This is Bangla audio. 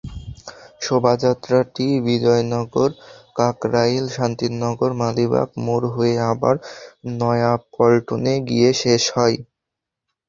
শোভাযাত্রাটি বিজয়নগর, কাকরাইল, শান্তিনগর, মালিবাগ মোড় হয়ে আবার নয়াপল্টনে গিয়ে শেষ হয়।